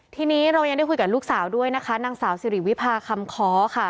ทีนี้เรายังได้คุยกับลูกสาวด้วยนะคะนางสาวสิริวิพาคำค้อค่ะ